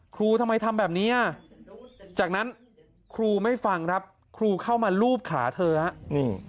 ทำไมทำแบบนี้อ่ะจากนั้นครูไม่ฟังครับครูเข้ามาลูบขาเธอฮะนี่